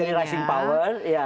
akan menjadi rising power